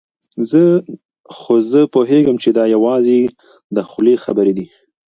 خو زه پوهېږم چې دا یوازې د خولې خبرې دي.